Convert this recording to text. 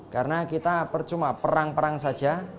karena kita percuma perang perang saja